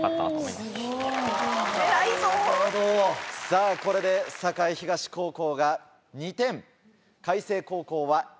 さぁこれで栄東高校が２点開成高校は１点。